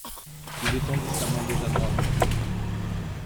Il étendit sa main déjà noire de poudre.